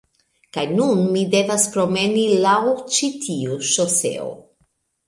kaj nun mi devas promeni laŭ ĉi tiu ŝoseo.